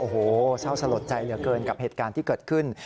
โอ้โหเศร้าสลดใจเหลือเกินกับเหตุการณ์ที่เกิดขึ้น